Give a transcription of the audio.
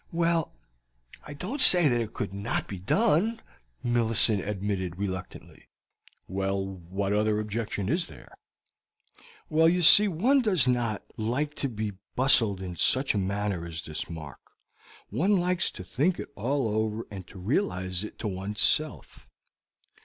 "Well, I don't say that could not be done," Millicent admitted reluctantly. "Well, what other objection is there?" "Well, you see, one does not, like to be bustled in such a matter as this, Mark. One likes to think it all over and to realize it to one's self."